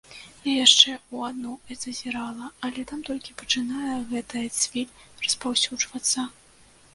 Я яшчэ ў адну зазірала, але там толькі пачынае гэтая цвіль распаўсюджвацца.